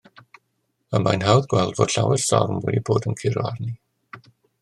Y mae'n hawdd gweld fod llawer storm wedi bod yn curo arni.